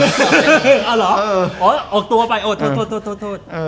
อ๋อเหรอออกตัวไปโทษ